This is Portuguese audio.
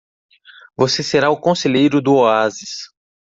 Você será o conselheiro do oásis.